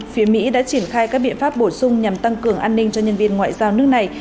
phía mỹ đã triển khai các biện pháp bổ sung nhằm tăng cường an ninh cho nhân viên ngoại giao nước này